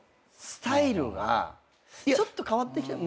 スタイルがちょっと変わってきてる。